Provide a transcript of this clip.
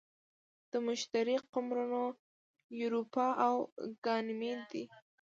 د مشتری قمرونه یوروپا او ګانیمید دي.